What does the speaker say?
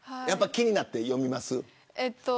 気になって読みますか。